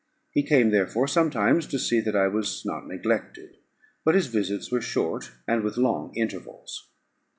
He came, therefore, sometimes, to see that I was not neglected; but his visits were short, and with long intervals.